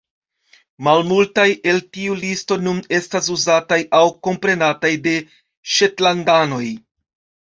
Malmultaj el tiu listo nun estas uzataj aŭ komprenataj de ŝetlandanoj.